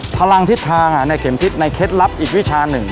พลังทิศทางในเข็มทิศในเคล็ดลับอีกวิชาหนึ่ง